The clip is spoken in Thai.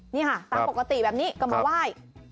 นี่ค่ะตั้งปกติแบบนี้กำลังไหว้